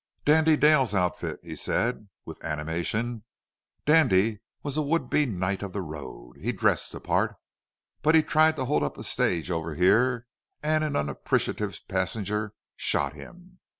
"Dandy Dale's outfit," he said, with animation. "Dandy was a would be knight of the road. He dressed the part. But he tried to hold up a stage over here and an unappreciative passenger shot him.